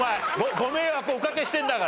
ご迷惑をおかけしてるんだから。